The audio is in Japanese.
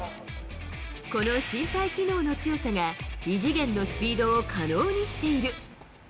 この心肺機能の強さが、異次元のスピードを可能にしている。